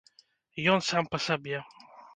Ён сам па сабе.